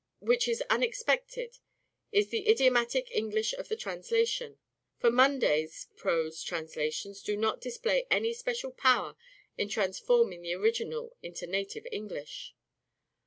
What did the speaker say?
What is unexpected is the idiomatic English of the translation ; (for Munday's) prose translations do not display any special power in transforming the original into native English.